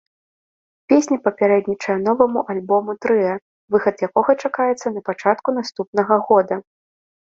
Песня папярэднічае новаму альбому трыа, выхад якога чакаецца на пачатку наступнага года.